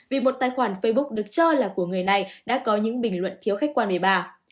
vì một tài khoản facebook được cho là của người này đã có những bình luận thiếu khách quan với bà